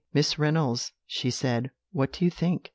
"'Miss Reynolds,' she said, 'what do you think?